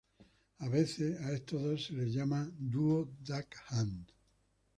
A veces a estos dos se les llama "Duo Duck Hunt".